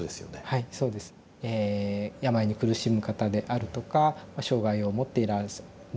はいそうです。え病に苦しむ方であるとか障害を持っている方。